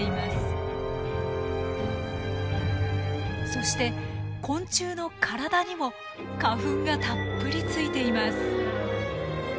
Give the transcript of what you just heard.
そして昆虫の体にも花粉がたっぷりついています。